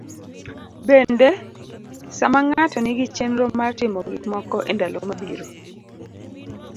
Bende, sama ng'ato nigi chenro mar timo gikmoko e ndalo mabiro.